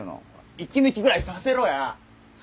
息抜きぐらいさせろや。